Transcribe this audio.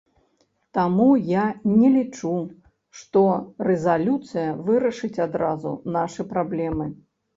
Таму я не лічу, што рэзалюцыя вырашыць адразу нашы праблемы.